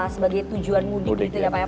sebagai tujuan mudik gitu ya pak